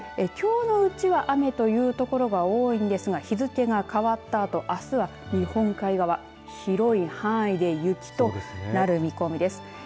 きょうのうちは雨という所が多いんですが日付が変わったあとあすは日本海側広い範囲で雪となる見込みです。